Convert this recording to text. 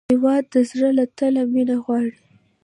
هېواد د زړه له تله مینه غواړي.